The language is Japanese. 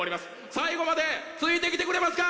最後までついてきてくれますか？